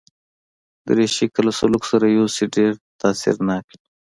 دریشي که له سلوکه سره یوسې، ډېر تاثیرناک وي.